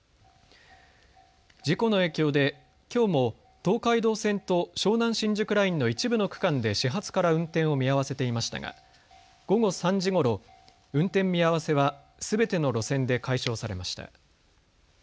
事故の影響できょうも東海道線と湘南新宿ラインの一部の区間で始発から運転を見合わせていましたが午後３時ごろ、運転見合わせはすべての路線で解消されました。